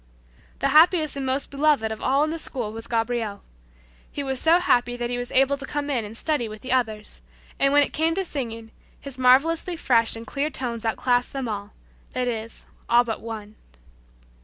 The happiest and most beloved of all in the school was Gabriel. He was so happy that he was able to come in and study with the others; and when it came to singing, his marvelously fresh and clear tones outclassed them all that is, all but one.